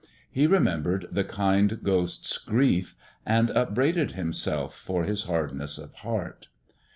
He remembered the kind Ghost's grief, and upbraided himself for his hardness of heart.